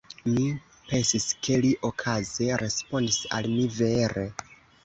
Mi pensis, ke li okaze respondis al mi vere.